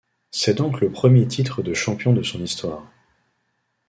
C'est donc le premier titre de champion de son histoire.